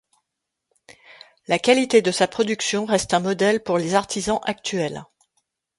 La qualité de sa production reste un modèle pour les artisans actuels.